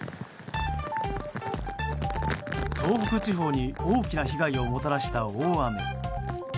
東北地方に大きな被害をもたらした大雨。